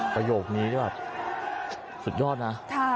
ประโยคนี้ก็แบบสุดยอดนะ